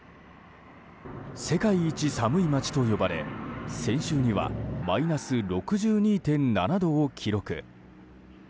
世界一寒い街と呼ばれ先週にはマイナス６２．７度を記録。